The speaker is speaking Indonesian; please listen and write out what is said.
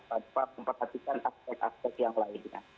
tanpa memperhatikan aspek aspek yang lainnya